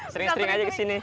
sering sering aja kesini